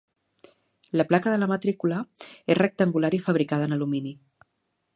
La placa de la matrícula és rectangular i fabricada en alumini.